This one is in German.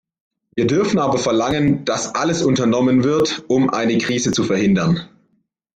Wir dürfen aber verlangen, dass alles unternommen wird, um eine Krise zu verhindern.